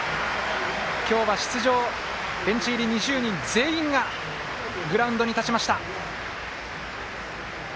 今日は出場、ベンチ入り２０人全員がグラウンドに立ちました。